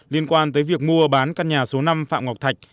liên quan tới việc mua bán căn nhà số năm phạm ngọc thạch